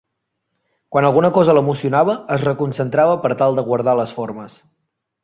Quan alguna cosa l'emocionava, es reconcentrava per tal de guardar les formes.